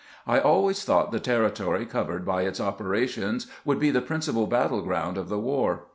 I always thought the territory covered by its operations would be the principal battle ground of the war.